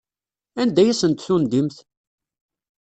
Anda ay asent-tendimt?